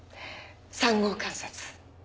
三号観察。